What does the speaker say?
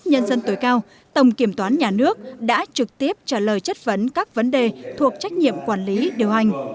trong phát nhân dân tuổi cao tổng kiểm toán nhà nước đã trực tiếp trả lời chất vấn các vấn đề thuộc trách nhiệm quản lý điều hành